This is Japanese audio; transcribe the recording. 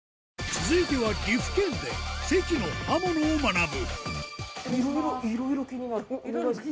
続いては岐阜県で関の刃物を学ぶ失礼します。